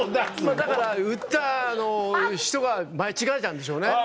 だから売った人が間違えたんでしょうね。